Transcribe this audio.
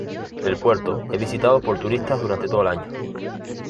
El Puerto es visitado por turistas durante todo el año.